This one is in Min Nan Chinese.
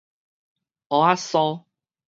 芋仔酥